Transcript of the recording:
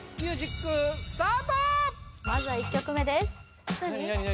まずは１曲目です・何何何？